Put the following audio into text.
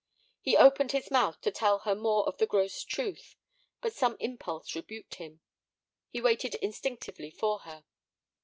He opened his mouth to tell her more of the gross truth, but some impulse rebuked him. He waited instinctively for her.